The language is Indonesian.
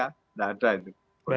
tidak ada itu